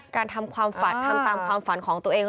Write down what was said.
ทำความฝันทำตามความฝันของตัวเอง